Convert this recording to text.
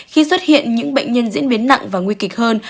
khi xuất hiện những bệnh nhân diễn biến nặng và nguy kịch hơn